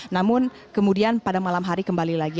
namun kemudian pada malam hari kembali lagi